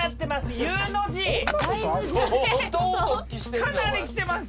かなりきてます